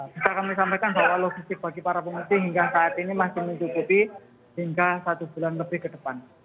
bisa kami sampaikan bahwa logistik bagi para pengungsi hingga saat ini masih mencukupi hingga satu bulan lebih ke depan